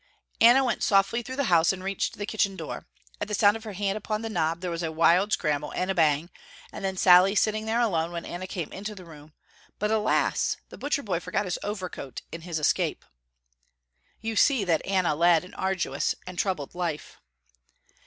Anna went softly through the house and reached the kitchen door. At the sound of her hand upon the knob there was a wild scramble and a bang, and then Sallie sitting there alone when Anna came into the room, but, alas, the butcher boy forgot his overcoat in his escape. You see that Anna led an arduous and troubled life.